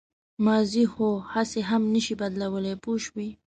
ماضي خو هسې هم نه شئ بدلولی پوه شوې!.